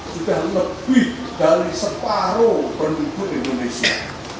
sudah lebih dari separuh penduduk indonesia